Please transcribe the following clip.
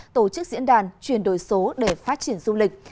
tổ chức diễn đàn chuyển đổi số để phát triển du lịch